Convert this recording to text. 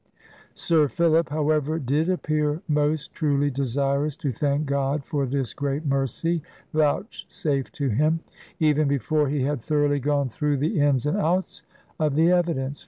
Sir Philip, however, did appear most truly desirous to thank God for this great mercy vouchsafed to him; even before he had thoroughly gone through the ins and outs of the evidence.